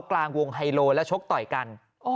กลางวงไฮโลและชกต่อยกัน